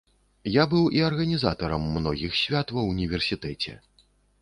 Я быў і арганізатарам многіх свят ва ўніверсітэце.